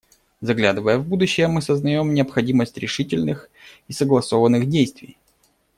Заглядывая в будущее, мы сознаем необходимость решительных и согласованных действий.